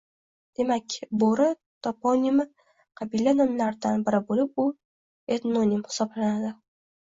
Demak, Bo‘ri toponimi qabila nomlaridan biri bo‘lib, u etnonim hisoblanadi.